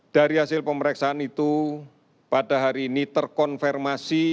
dari hasil pemeriksaan itu pada hari ini terkonfirmasi